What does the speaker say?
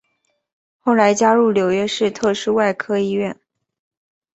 后来加入纽约市特殊外科医院。